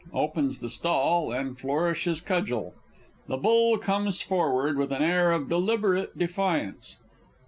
[_Opens stall and flourishes cudgel the Bull comes forward with an air of deliberate defiance.